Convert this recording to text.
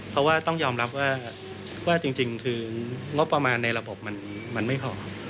เพราะว่าต้องยอมรับว่าจริงคืองบประมาณในระบบมันไม่พอ